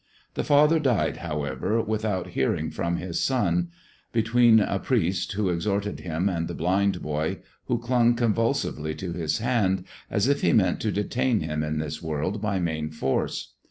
The father died, however, without hearing from his son, between a priest, who exhorted him, and the blind boy, who clung convulsively to his hand, as if he meant to detain him in this world by main force.